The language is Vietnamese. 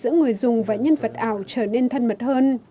giữa người dùng và nhân vật ảo trở nên thân mật hơn